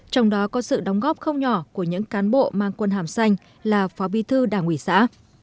trong đó có sự đóng góp không nhỏ của những cán bộ mang quân hàm xanh là phó bi thư đảng ủy xã